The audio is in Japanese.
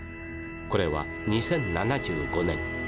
これは２０７５年。